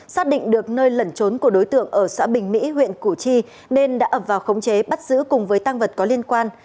xác định được nơi lẩn trốn của đối tượng ở xã bình mỹ huyện củ chi nên đã ập vào khống chế bắt giữ cùng với tăng vật có liên quan